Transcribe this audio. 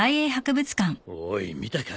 おい見たか？